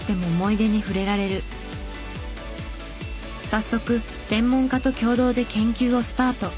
早速専門家と共同で研究をスタート。